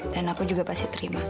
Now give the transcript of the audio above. dan aku juga pasti denger om ya kan